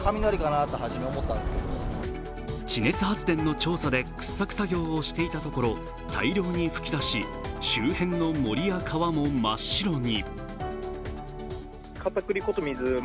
地熱発電の調査で掘削作業をしていたところ大量に噴き出し、周辺の森や川も真っ白に。